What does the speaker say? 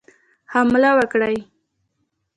حمله وکړي.